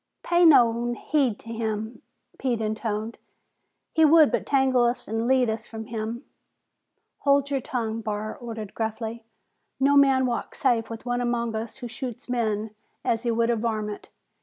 "Pay nao heed to him!" Pete intoned. "He would but tangle us an' lead us from him." "Hold your tongue!" Barr ordered gruffly. "No man walks safe with one among us who shoots men as he would a varmint!